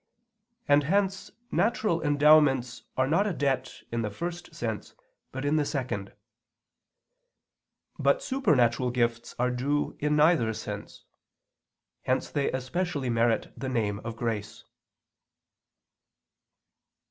And hence natural endowments are not a debt in the first sense but in the second. But supernatural gifts are due in neither sense. Hence they especially merit the name of grace.